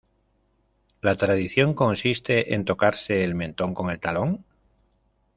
¿La tradición consiste en tocarse el mentón con el talón?